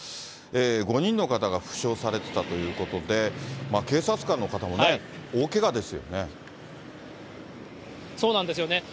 ５人の方が負傷されてたということで、警察官の方もね、そうなんですよね。